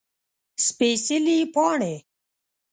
سپيڅلي پاڼې